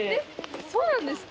そうなんですか？